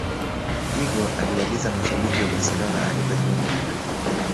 Figo aliwaliza mashabiki wa barcelona alipojiunga madrid